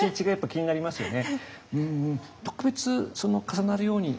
気になりますよね？